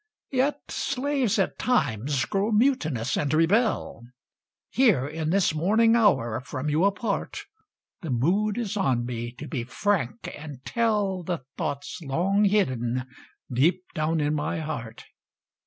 Yet slaves, at times, grow mutinous and rebel. Here in this morning hour, from you apart, The mood is on me to be frank and tell The thoughts long hidden deep down in my heart.